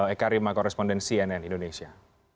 eka rima koresponden cnn indonesia